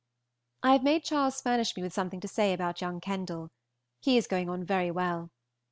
I have made Charles furnish me with something to say about young Kendall. He is going on very well.